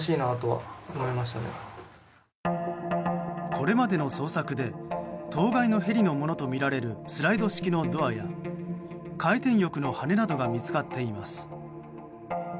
これまでの捜索で当該のヘリのものとみられるスライド式のドアや回転翼の羽などが見つかっています。